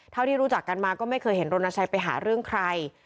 เท่าที่รู้จักกันมาก็ไม่เคยเห็นรณชัยไปหาเรื่องใคร